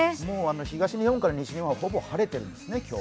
東日本から西日本はほぼ晴れてるんですね、今日は。